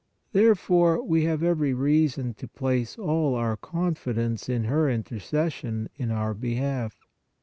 Therefore, we have every reason to place all our confidence in her intercession in our behalf.